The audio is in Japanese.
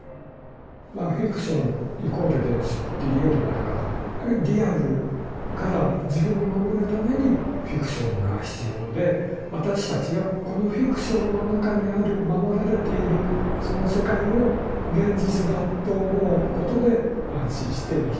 まあフィクション＝現実というよりはだからリアルから自分を守るためにフィクションが必要で私たちはこのフィクションの中にある守られているその世界を現実だと思うことで安心して生きていられる。